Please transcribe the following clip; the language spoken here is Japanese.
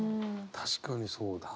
確かにそうだ。